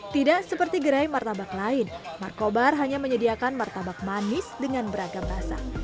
tidak seperti gerai martabak lain markobar hanya menyediakan martabak manis dengan beragam rasa